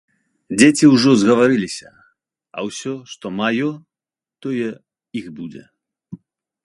Дзеці ўжо згаварыліся, а ўсё, што маё, тое іх будзе.